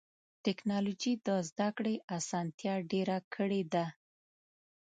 ټکنالوجي د زدهکړې اسانتیا ډېره کړې ده.